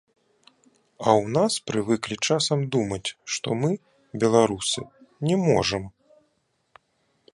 А ў нас прывыклі часам думаць, што мы, беларусы, не можам.